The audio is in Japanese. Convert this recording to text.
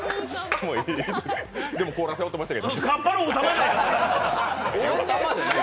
でも、甲羅、背負ってましたけどね。